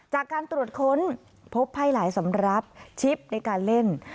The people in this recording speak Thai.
จากการตรวจค้นพบไพ่หลายสำหรับชิปในการเล่น